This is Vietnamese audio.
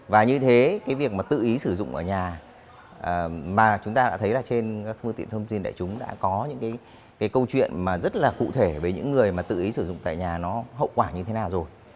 và như thế cái việc mà tự ý sử dụng ở nhà mà chúng ta đã thấy là trên các phương tiện thông tin đại chúng đã có những cái câu chuyện mà rất là cụ thể với những người mà tự ý sử dụng tại nhà nó hậu quả như thế nào rồi